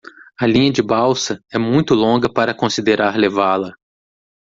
A linha de balsa é muito longa para considerar levá-la.